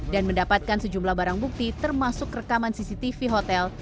dan mendapatkan sejumlah barang bukti termasuk rekaman cctv hotel